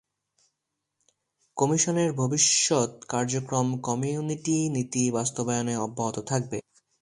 কমিশনের ভবিষ্যৎ কার্যক্রম কমিউনিটি নীতি বাস্তবায়নে অব্যাহত থাকবে।